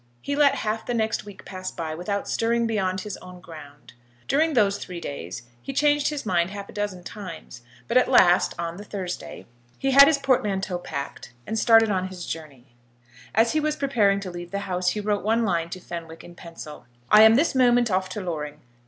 He let half the next week pass by without stirring beyond his own ground. During those three days he changed his mind half a dozen times; but at last, on the Thursday, he had his portmanteau packed and started on his journey. As he was preparing to leave the house he wrote one line to Fenwick in pencil. "I am this moment off to Loring.